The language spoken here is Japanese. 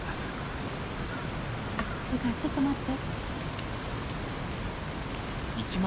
それからちょっと待って。